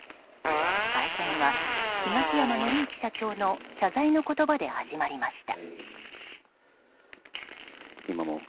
会見は、東山紀之社長の謝罪の言葉で始まりました。